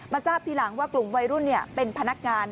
ทราบทีหลังว่ากลุ่มวัยรุ่นเป็นพนักงาน